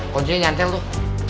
konsepnya nyantel tuh